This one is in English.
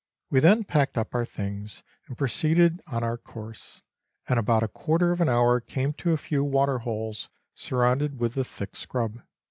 We then packed up our things, and proceeded on our course, and in about a quarter of an hour came to a few waterholes, surrounded with a thick scrub.